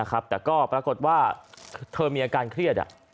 แต่ก็ปรากฏว่าเธอมีอาการเครียด